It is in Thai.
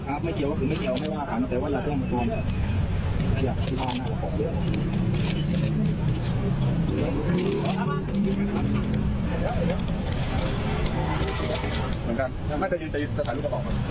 ครับไม่เกี่ยวก็คือไม่เกี่ยวไม่ว่าค่ะตั้งแต่ว่าอย่าเตรียมกับกลม